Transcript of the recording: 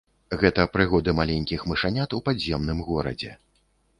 Гэта прыгоды маленькіх мышанят у падземным горадзе.